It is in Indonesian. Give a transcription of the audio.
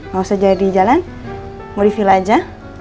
gak usah jalan mau di villa aja